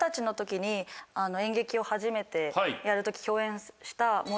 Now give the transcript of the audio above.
演劇を初めてやる時共演した。